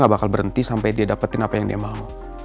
gak bakal berhenti sampai dia dapetin apa yang dia mau